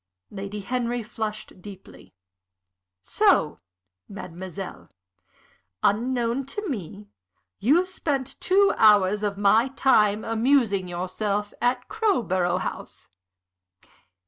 Lady Henry flushed deeply. "So, mademoiselle, unknown to me, you spent two hours of my time amusing yourself at Crowborough House.